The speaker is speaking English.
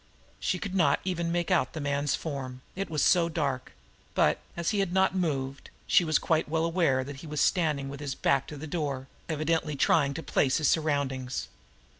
She could not even make out the man's form, it was so dark; but, as he had not moved, she was quite well aware that he was standing with his back to the door, evidently trying to place his surroundings.